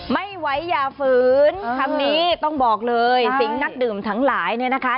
ไม่ไหวอย่าฝืนคำนี้ต้องบอกเลยสิงห์นักดื่มทั้งหลายเนี่ยนะคะ